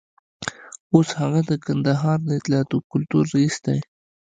اوس هغه د کندهار د اطلاعاتو او کلتور رییس دی.